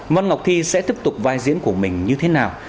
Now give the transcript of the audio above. văn ngọc thi sẽ tiếp tục vai diễn của mình như thế nào